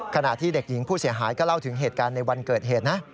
ขณะที่เด็กหญิงผู้เสียหายก็เล่าถึงเหตุการณ์ในวันเกิดเหตุนะ